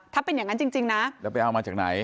ถ้าจริงน้าจะไปเอามาจากไหน